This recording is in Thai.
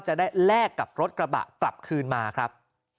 แลกกับรถกระบะกลับคืนมาครับ